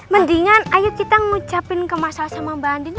mendingan ayo kita ngucapin kemasalah sama mbak andina